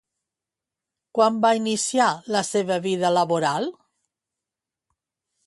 Quan va iniciar la seva vida laboral?